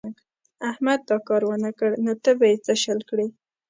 احمد دا کار و نه کړ نو ته به يې څه شل کړې.